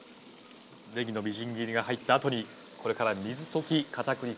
ねぎのみじん切りが入ったあとにこれから水溶きかたくり粉が。